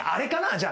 じゃあ。